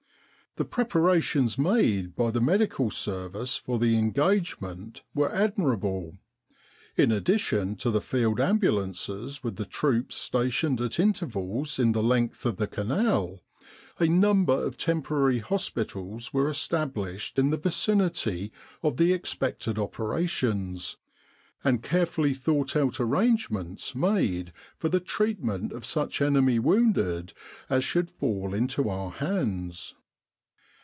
The preparations made by the Medical Service for the engagement were admirable. In addition to the field ambulances with the troops stationed at intervals in the length of the Canal, a number of temporary hospitals were established in the vicinity of the expected operations, and carefully thought out arrangements made for the treatment of such enemy wounded as should fall into our hands.